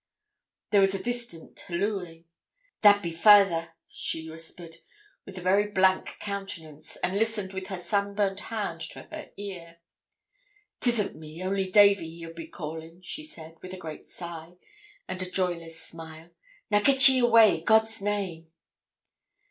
There was a distant hallooing. 'That be fayther!' she whispered, with a very blank countenance, and listened with her sunburnt hand to her ear. 'Tisn't me, only Davy he'll be callin',' she said, with a great sigh, and a joyless smile. 'Now git ye away i' God's name.'